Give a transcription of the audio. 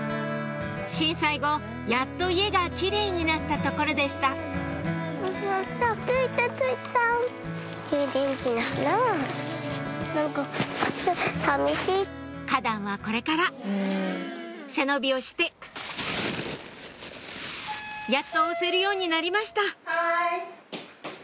震災後やっと家がキレイになったところでした花壇はこれから背伸びをしてやっと押せるようになりましたはい！